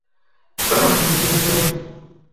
কই গেলি তুই?